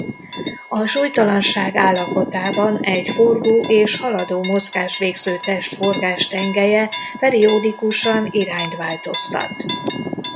A súlytalanság állapotában egy forgó és haladó mozgást végző test forgástengelye periodikusan irányt változtat.